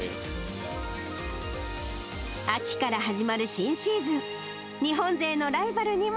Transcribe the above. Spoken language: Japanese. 秋から始まる新シーズン。